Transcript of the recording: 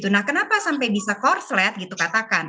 nah kenapa sampai bisa korslet gitu katakan